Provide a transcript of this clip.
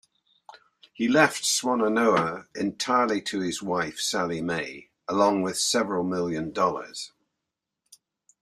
He left Swannanoa entirely to his wife, Sally Mae, along with several million dollars.